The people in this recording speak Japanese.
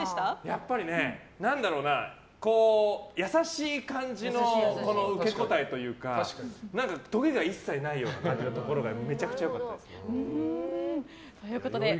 やっぱり優しい感じの受け答えというかとげが一切ないような感じがめちゃくちゃ良かったです。